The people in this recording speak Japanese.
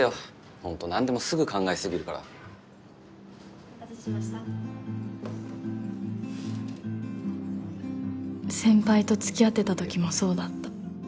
ホント何でもすぐ考えすぎるからお待たせしました先輩と付き合ってたときもそうだった・